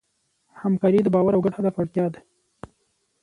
همکاري د باور او ګډ هدف اړتیا ده.